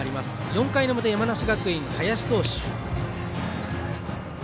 ４回の表、山梨学院、林投手。